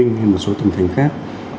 hay một số tỉnh thành khác